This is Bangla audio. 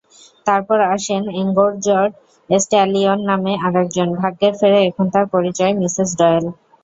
তারপর আসেন এঙ্গোর্জড স্ট্যালিয়ন নামে আরেকজন, ভাগ্যের ফেরে এখন তার পরিচয় মিসেস ডয়েল!